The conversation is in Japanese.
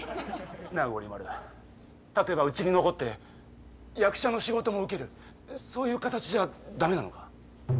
なあゴリ丸例えばうちに残って役者の仕事も受けるそういう形じゃ駄目なのか？